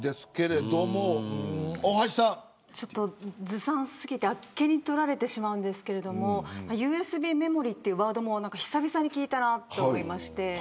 ずさんすぎてあっけにとられてしまうんですがＵＳＢメモリーというワードも久しぶりに聞いたなと思いました。